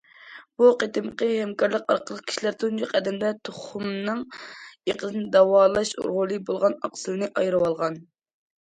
بۇ قېتىمقى ھەمكارلىق ئارقىلىق، كىشىلەر تۇنجى قەدەمدە تۇخۇمنىڭ ئېقىدىن داۋالاش رولى بولغان ئاقسىلنى ئايرىۋالغان.